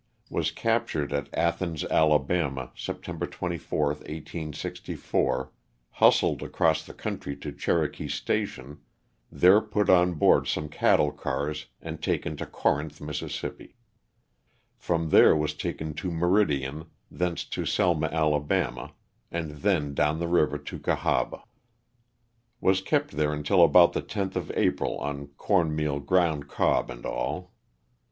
Was captured at Athens, Ala., September 24, 1864, hustled across the country to Cherokee Station, there put on board some cattle cars and taken to Corinth, Miss. From there was taken to Meridian, thence to Selma, Ala., and then down the river to Cahaba. Was kept there until about the 10th of April on corn meal, ground cob and all.